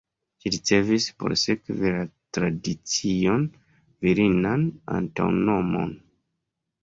Ĝi ricevis, por sekvi la tradicion, virinan antaŭnomon.